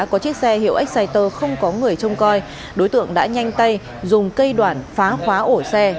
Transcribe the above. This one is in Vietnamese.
có chiếc xe hiệu exciter không có người trông coi đối tượng đã nhanh tay dùng cây đoạn phá khóa ổ xe